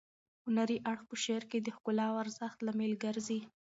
هنري اړخ په شعر کې د ښکلا او ارزښت لامل ګرځي.